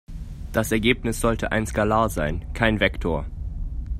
Das Ergebnis sollte ein Skalar sein, kein Vektor.